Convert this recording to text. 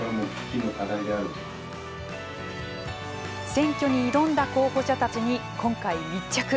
選挙に挑んだ候補者たちに今回密着。